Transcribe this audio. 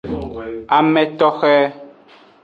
Ame toxe.